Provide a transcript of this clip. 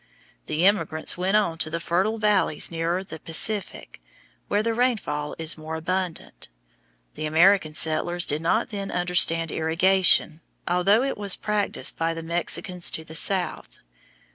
The emigrants went on to the fertile valleys nearer the Pacific, where the rainfall is more abundant. The American settlers did not then understand irrigation, although it was practised by the Mexicans to the south.